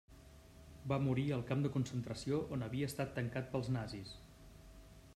Va morir al camp de concentració on havia estat tancat pels nazis.